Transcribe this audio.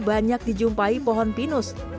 banyak dijumpai pohon pinus